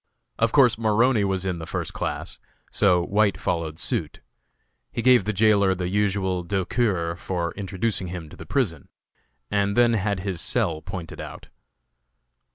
Of course Maroney was in the first class, so White followed suit. He gave the jailer the usual douceur for introducing him to the prison, and then had his cell pointed out.